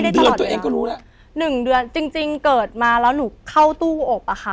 ตัวเองก็รู้แล้วหนึ่งเดือนจริงเกิดมาแล้วหนูเข้าตู้อบอะค่ะ